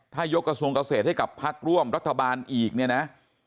ถ้ายกกระทรวงเกษตรให้กับพักร่วมรัฐบาลอีกเนี่ยนะ